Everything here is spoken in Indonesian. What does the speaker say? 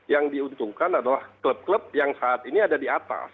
yang diuntungkan adalah klub klub yang saat ini ada di atas